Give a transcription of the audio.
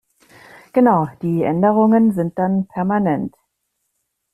Genau, die Änderungen sind dann permanent.